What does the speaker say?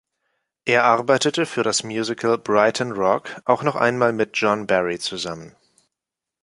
Er arbeitete für das Musical „Brighton Rock“ auch noch einmal mit John Barry zusammen.